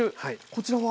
こちらは？